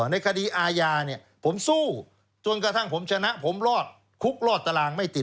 ในคดีอาญาเนี่ยผมสู้จนกระทั่งผมชนะผมรอดคุกรอดตารางไม่ติด